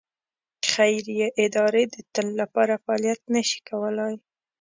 خیریه ادارې د تل لپاره فعالیت نه شي کولای.